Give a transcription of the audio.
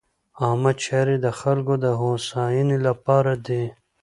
عامه چارې د خلکو د هوساینې لپاره دي.